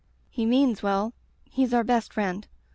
"*Hc means well. He's our best friend.